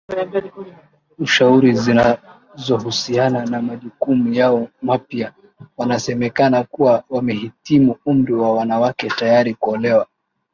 ushauri zinazohusiana na majukumu yao mapya wanasemekana kuwa wamehitimu umri wa wanawake tayari kuolewa